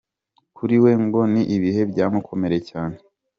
Kuriwe ngo ni ibihe byamukomereye cyane .